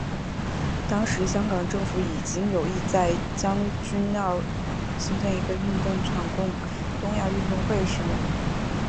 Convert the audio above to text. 当时香港政府已经有意在将军澳兴建一个运动场供东亚运动会使用。